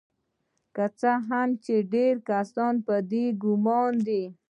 که څه هم چې ډیر کسان په دې ګمان دي